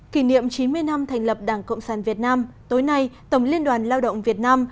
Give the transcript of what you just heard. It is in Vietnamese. kỷ niệm chín mươi năm thành lập đảng cộng sản việt nam tối nay tổng liên đoàn lao động việt nam